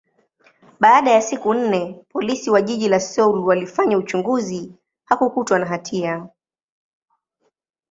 baada ya siku nne, Polisi wa jiji la Seoul walifanya uchunguzi, hakukutwa na hatia.